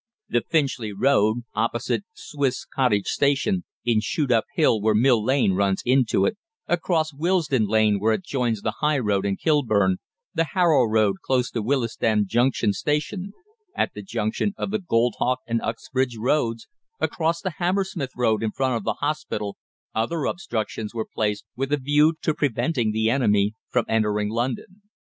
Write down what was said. The Finchley Road, opposite Swiss Cottage Station; in Shoot Up hill, where Mill Lane runs into it; across Willesden Lane where it joins the High Road in Kilburn; the Harrow Road close to Willesden Junction Station; at the junction of the Goldhawk and Uxbridge roads; across the Hammersmith Road in front of the Hospital, other similar obstructions were placed with a view to preventing the enemy from entering London.